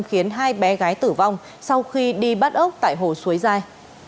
khiến hai bé gái tử vong sau khi đi bắt ốc tại hồ suối giai